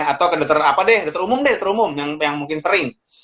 atau ke dokter apa deh dokter umum deh dokter umum yang mungkin sering